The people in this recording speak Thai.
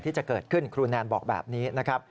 ที่จะเกิดขึ้นครูแนนบอกแบบนี้นะครับ